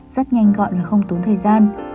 rất nhanh gọn và không tốn thời gian